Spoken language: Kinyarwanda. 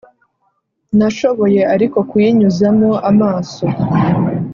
nashoboye ariko kuyinyuzamo amaso.